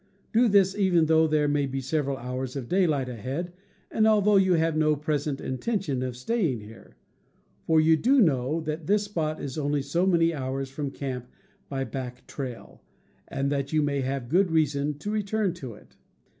Do this even though there be several hours of daylight ahead, and although you have no present intention of staying here; for you do know that this spot is only so many hours from camp by back trail, and that you may have good rea son to return to it.